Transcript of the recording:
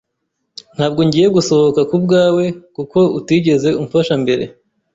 Ntabwo ngiye gusohoka kubwawe kuko utigeze umfasha mbere.